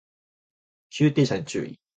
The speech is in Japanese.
急停車に注意